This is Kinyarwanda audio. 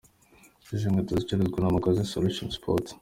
Izi nkweto zicuruzwa na Magasin Solution Sports.